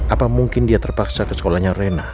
apa mungkin dia terpaksa ke sekolahnya rena